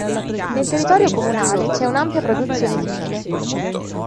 Nel territorio comunale c'è un'ampia produzione di mele.